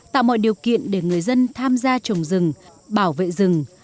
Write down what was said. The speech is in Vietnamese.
tạo mọi điều kiện để người dân tham gia trồng rừng bảo vệ rừng